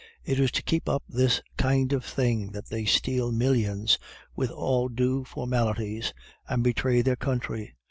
"It is to keep up this kind of thing that they steal millions with all due formalities, and betray their country.